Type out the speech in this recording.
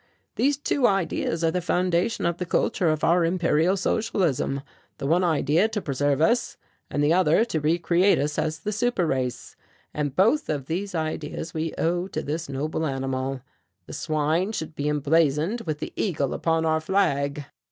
"These two ideas are the foundation of the kultur of our Imperial Socialism, the one idea to preserve us and the other to re create us as the super race. And both of these ideas we owe to this noble animal. The swine should be emblazoned with the eagle upon our flag."